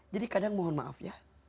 jadi kadang mohon maaf ya